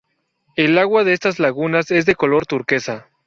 El agua de estas lagunas es de color turquesa.